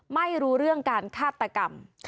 ไม่รู้เรื่องการฆาตกรรม